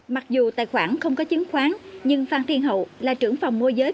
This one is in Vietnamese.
mặc dù tài khoản không có chứng khoán nhưng phan tiên hậu là trưởng phòng môi giới